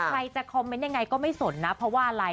ใครจะคอมเม้นต์ยังไงก็ไม่สนนะ